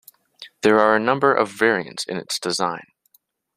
There are a number of variants in its design.